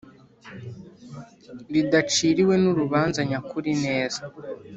ridaciriwe n’urubanza nyakuri neza